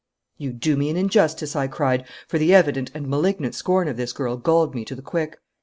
'You do me an injustice,' I cried, for the evident and malignant scorn of this girl galled me to the quick.